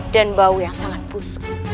dan bau yang sangat busuk